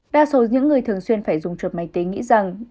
đa số những người thường xuyên phải dùng chuột máy tính nghĩ rằng